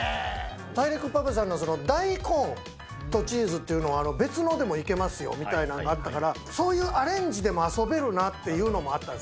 大陸パパさんの大根とチーズっていうのは、別のでもいけますよみたいなのもあったから、そういうアレンジでも遊べるなっていうのもあったんです。